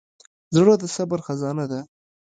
زړه د صبر خزانه ده.